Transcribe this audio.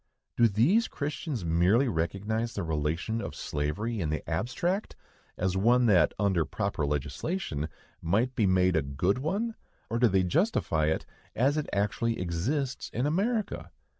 Do these Christians merely recognize the relation of slavery, in the abstract, as one that, under proper legislation, might be made a good one, or do they justify it as it actually exists in America?